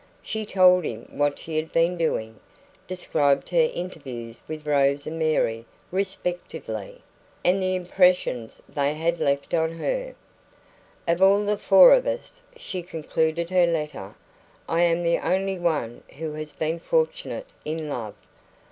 She told him what she had been doing described her interviews with Rose and Mary respectively, and the impressions they had left on her. "Of all the four of us," she concluded her letter, "I am the only one who has been fortunate in love.